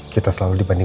kita selalu dibayangkan